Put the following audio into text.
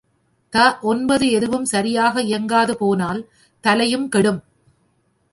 த ஒன்பது எதுவும் சரியாக இயங்காதுபோனால் தலையும் கெடும்.